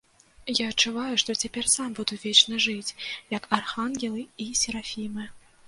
Я адчуваю, што цяпер сам буду вечна жыць, як архангелы і серафімы.